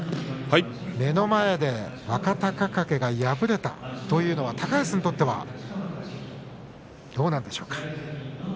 目の前で若隆景が敗れたというのは高安にとってはどうなんでしょうか。